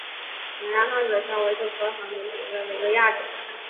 缅南杭子梢为豆科杭子梢属下的一个亚种。